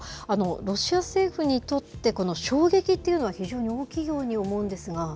ロシア政府にとって、衝撃っていうのは非常に大きいように思うんですが。